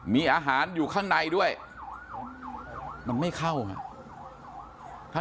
มีอาหารอยู่ข้างในด้วยมันไม่เข้าอ่ะ